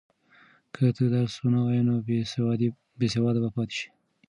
که ته درس ونه وایې نو بېسواده به پاتې شې.